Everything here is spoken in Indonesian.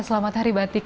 selamat hari batik